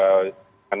tapi kan dipikirkan